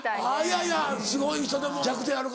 いやいやすごい人でも弱点あるから。